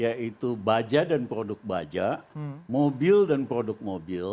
yaitu baja dan produk baja mobil dan produk mobil